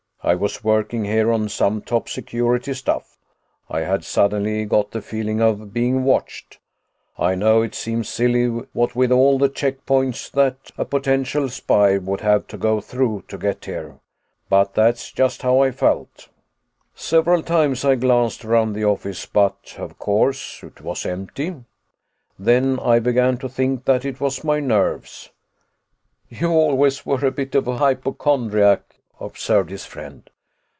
I was working here on some top security stuff. I had suddenly got the feeling of being watched. I know it seems silly, what with all the check points that a potential spy would have to go through to get here, but that's just how I felt. "Several times I glanced around the office, but of course it was empty. Then I began to think that it was my nerves." "You always were a bit of a hypochondriac," observed his friend.